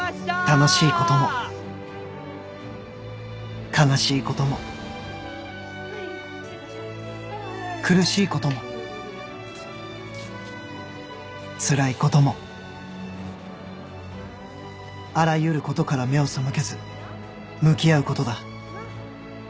楽しいことも悲しいことも苦しいこともつらいこともあらゆることから目を背けず向き合うことだ